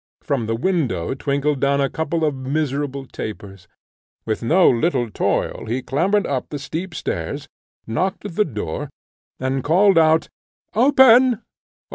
From the window twinkled down a couple of miserable tapers; with no little toil he clambered up the steep stairs, knocked at the door, and called out, "Open!